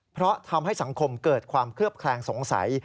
เพราะทำให้สังคมเกิดความเคลือบแคลงสงสัย